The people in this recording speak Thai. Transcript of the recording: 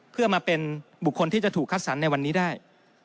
เพื่อมาเป็นบุคคลที่จะถูกคัดสรรในวันนี้ได้